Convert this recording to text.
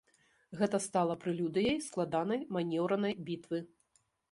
Гэта стала прэлюдыяй складанай манеўранай бітвы.